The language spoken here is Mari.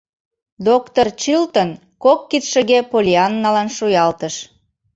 Доктыр Чилтон кок кидшыге Поллианналан шуялтыш.